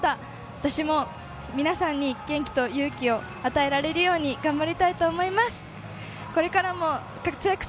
私も皆さんに元気と勇気を与えられるように頑張りたいと思います。